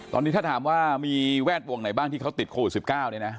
ตอนนี้ถ้าถามว่ามีแวดวงไหนบ้างที่เขาติดโควิด๑๙เนี่ยนะ